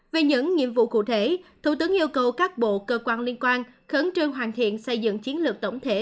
về những nhiệm vụ cụ thể thủ tướng yêu cầu các bộ cơ quan liên quan khẩn trương hoàn thiện xây dựng chiến lược tổng thể